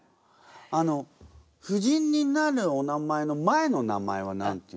あの夫人になるお名前の前の名前は何て言うんですか？